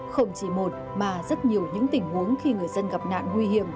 không chỉ một mà rất nhiều những tình huống khi người dân gặp nạn nguy hiểm